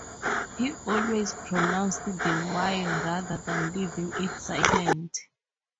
He always pronounced the "w" rather than leaving it silent.